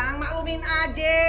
ya bang maklumin aja